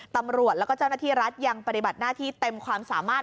ตำรวจแล้วก็เจ้าหน้าที่รัฐยังปฏิบัติหน้าที่เต็มความสามารถ